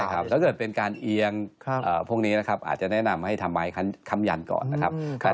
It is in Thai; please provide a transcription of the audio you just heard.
ถ้าเกิดเป็นการเอียงพวกนี้นะครับอาจจะแนะนำให้ทำไม้คำยันก่อนนะครับ